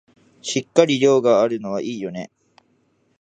しっかり量があるのはいいよね